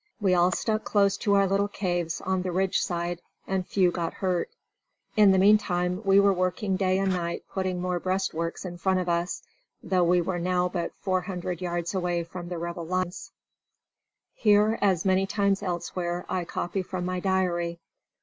We all stuck close to our little caves on the ridge side, and few got hurt. In the meantime we were working day and night putting more breastworks in front of us, though we were now but four hundred yards away from the Rebel lines. Here, as many times elsewhere, I copy from my diary.